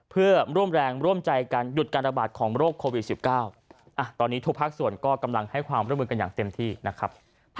เพื่อร่วมแรงร่วมใจการหยุดการระบาดของโรคโควิด๑๙ตอนนี้ทุกภาคส่วนก็กำลังให้ความร่วมมือกันอย่างเต็มที่นะครับ